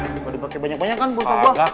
bisa dipake banyak banyak kan buat aku